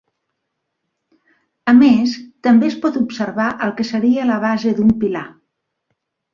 A més, també es pot observar el que seria la base d'un pilar.